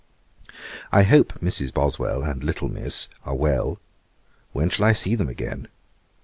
'I hope Mrs. Boswell and little Miss are well. When shall I see them again?